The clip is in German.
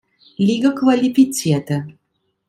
Liga qualifizierte.